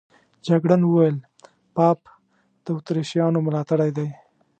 جګړن وویل پاپ د اتریشیانو ملاتړی دی.